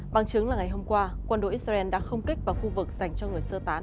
bằng chứng là ngày hôm qua quân đội israel đã không kích vào khu vực dành cho người sơ tán